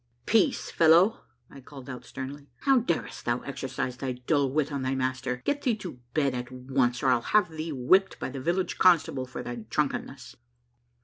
'' Peace, fellow," I called out sternly. " How darest thou exercise thy dull wit on thy master? Get thee to bed ar once. 16 A MARVELLOUS UNDERGROUND JOURNEY or I'll have thee whipped by the village constable for thy drunkenness."